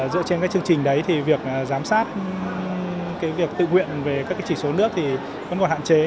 dựa trên các chương trình đấy thì việc giám sát việc tự nguyện về các chỉ số nước thì vẫn còn hạn chế